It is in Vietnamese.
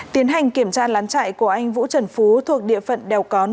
tiến hành kiểm tra lán trại của anh vũ trần phú thuộc địa phận đèo cón